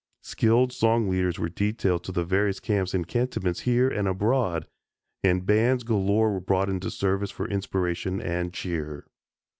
Skilled song leaders were detailed to the various camps and cantonments here and abroad, and bands galore were brought into service for inspiration and cheer.